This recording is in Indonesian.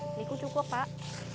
ini cukup pak